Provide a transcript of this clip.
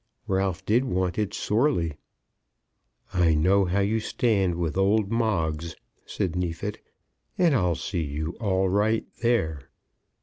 Ralph did want it sorely. "I know how you stand with old Moggs," said Neefit, "and I'll see you all right there."